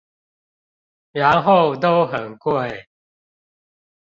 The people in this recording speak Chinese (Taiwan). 然後都很貴！